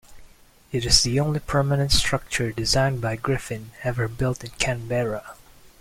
It is the only permanent structure designed by Griffin ever built in Canberra.